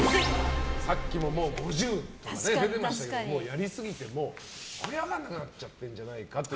さっきも５０とかって出てましたけどやりすぎてもう分からなくなっちゃってるんじゃないかと。